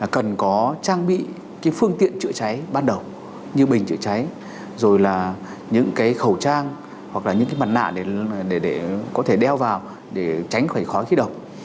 cần có trang bị cái phương tiện chữa cháy ban đầu như bình chữa cháy rồi là những cái khẩu trang hoặc là những cái mặt nạ để có thể đeo vào để tránh khỏi khói khí độc